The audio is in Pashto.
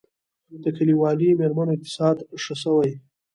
د کلیوالي میرمنو اقتصاد ښه شوی؟